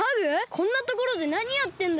こんなところでなにやってんだよ？